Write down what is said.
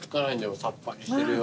さっぱりしてるよ。